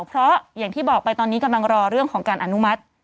เพราะอย่างที่บอกไปตอนนี้กำลังรอเรื่องของการอนุมัติ